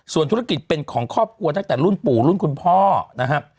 ส่วนธุรกิจเป็นของครอบครัวตั้งแต่รุ่นปู่รุ่นคุณพ่อนะครับ